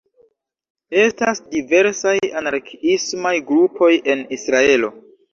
Estas diversaj anarkiismaj grupoj en Israelo.